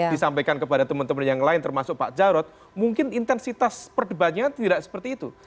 disampaikan kepada teman teman yang lain termasuk pak jarod mungkin intensitas perdebatannya tidak seperti itu